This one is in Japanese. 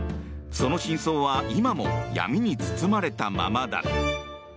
その真相は今も闇に包まれたままだ。